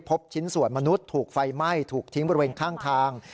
พบชิ้นส่วนมนุษย์ถูกไฟไหม้ถูกทิ้งบริเวณข้างทาง